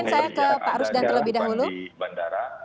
dan tentunya juga dari hasil yang terlihat ada di bandara